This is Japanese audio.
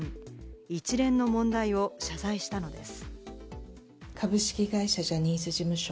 一連の問題を謝罪したのです。